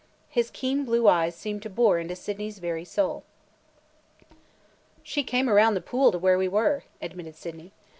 His keen blue eyes seemed to bore into Sydney's very soul. "She came around the pool to where we were," admitted Sydney.